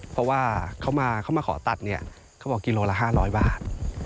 เพราะว่าเขามาเขามาขอตัดเนี่ยเขาบอกกิโลละห้าร้อยบาท